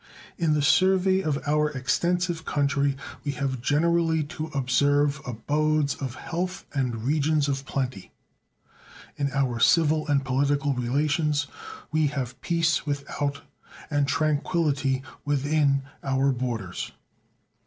In the survey of our extensive country we have generally to observe abodes of health and regions of plenty. In our civil and political relations we have peace without and tranquillity within our borders.